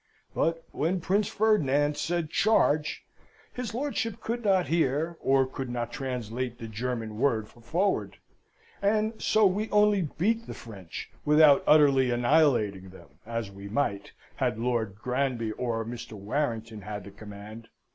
But when Prince Ferdinand said 'Charge!' his lordship could not hear, or could not translate the German word for 'Forward;' and so we only beat the French, without utterly annihilating them, as we might, had Lord Granby or Mr. Warrington had the command.